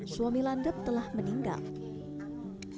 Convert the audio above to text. suami landep telah meninggal